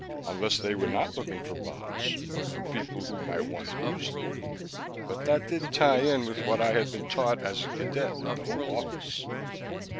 Unless they were not looking for bombs, but for people who might want to use them. But that didn't tie in with what I had been taught as a cadet at the Home Office.